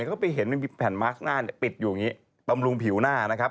ก็ไปเห็นมีแผ่นมาสก์หน้าปิดอยู่อย่างนี้ปรำรุงผิวหน้านะครับ